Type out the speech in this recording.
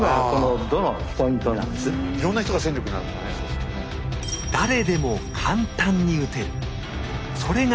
いろんな人が戦力になるもんね